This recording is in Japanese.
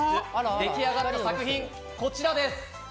出来上がった作品がこちらです。